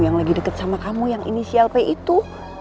yang lagi deket sama kamu yang ini clp itu